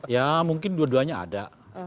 ya mungkin dua duanya ada